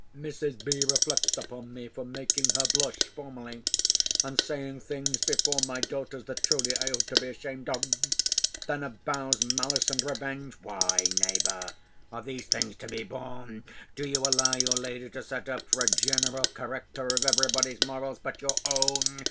Mrs. B. reflects upon me for making her blush formerly, and saying things before my daughters, that, truly, I ought to be ashamed of? then avows malice and revenge. Why neighbour, are these things to be borne? Do you allow your lady to set up for a general corrector of every body's morals but your own?